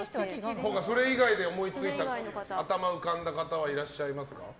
それ以外で頭に浮かんだ方はいらっしゃいますか？